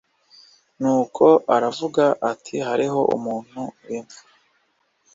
Nuko aravuga ati Hariho umuntu w imfura